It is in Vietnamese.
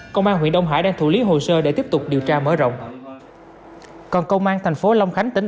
công an huyện đông hải đang thủ lý hồ sơ để tiếp tục điều tra mở rộng